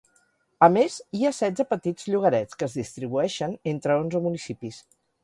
A més hi ha setze petits llogarets que es distribueixen entre onze municipis.